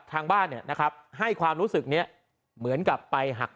ทางบ้านเนี่ยนะครับให้ความรู้สึกนี้เหมือนกับไปหัก